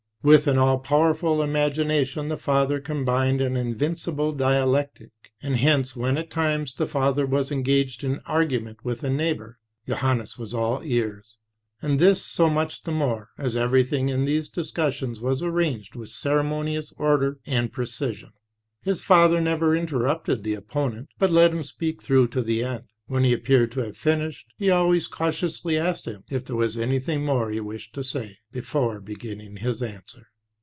"With an all powerful imagination the father combined an invincible dialec tic. And hence when at times the father was engaged in argument with a neighbor, Johannes was all ears; and this so much the more, as everything in these discussions was arranged with ceremonious order and precision. His father never interrupted the opponent, but let him speak through to the end; when he appeared to have finished, he always cautiously asked him if there was anything more he wished to say, before beginning his answer.